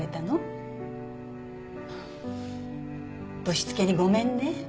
ぶしつけにごめんね。